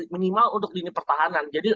minimal untuk lini pertahanan